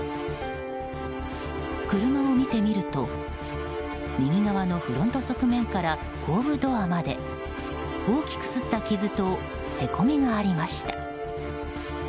車を見てみると、右側のフロント側面から後部ドアまで大きくすった傷とへこみがありました。